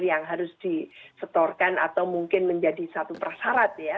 yang harus disetorkan atau mungkin menjadi satu prasarat ya